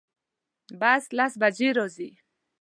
بس لس بجی راځي